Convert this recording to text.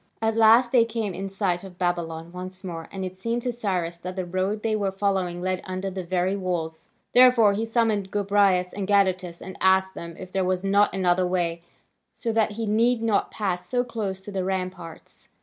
At last they came in sight of Babylon once more, and it seemed to Cyrus that the road they were following led under the very walls. Therefore he summoned Gobryas and Gadatas, and asked them if there was not another way, so that he need not pass so close to the ramparts.